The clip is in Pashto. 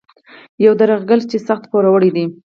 یو درغلګر چې سخت پوروړی دی.